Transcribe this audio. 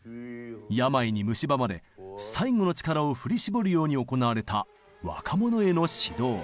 病にむしばまれ最後の力を振り絞るように行われた若者への指導。